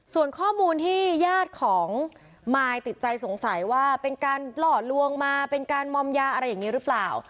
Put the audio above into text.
ส่วนข้อมูลที่ญาติของมายติดใจสงสัยว่าเป็นการหล่อลวงมาเป็นการมอมยาอะไรอย่างนี้หรือเปล่า